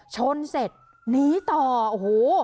ชนเสร็จหนีต่อโอ้โห